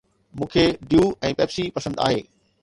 مون کي Dew ۽ Pepsi پسند آهي.